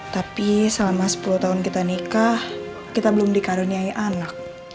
tapi selama sepuluh tahun kita nikah kita belum dikaruniai anak